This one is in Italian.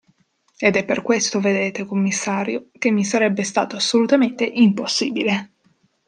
Ed è per questo, vedete, commissario, che mi sarebbe stato assolutamente impossibile.